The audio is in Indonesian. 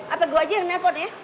apa gue aja yang nelfon ya